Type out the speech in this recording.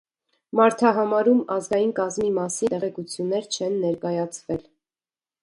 Մարդահամարում ազգային կազմի մասին տեղեկություններ չեն ներկայացվել։